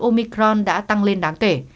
omicron đã tăng lên đáng kể